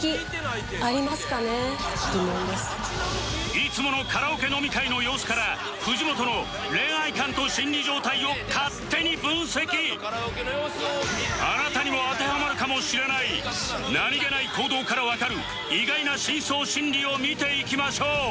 いつものカラオケ飲み会の様子から藤本の恋愛観とあなたにも当てはまるかもしれない何げない行動からわかる意外な深層心理を見ていきましょう